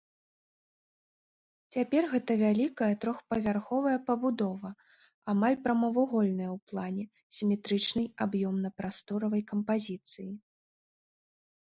Цяпер гэта вялікая трохпавярховая пабудова, амаль прамавугольная ў плане, сіметрычнай аб'ёмна-прасторавай кампазіцыі.